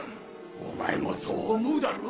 おまえもそう思うだろ？